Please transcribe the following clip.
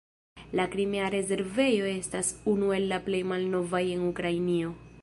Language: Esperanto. La Krimea rezervejo estas unu el la plej malnovaj en Ukrainio.